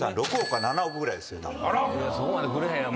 いやそこまでくれへんやろ。